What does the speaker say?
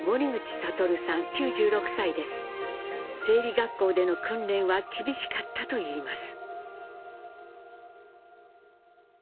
学校での訓練は厳しかったといいます。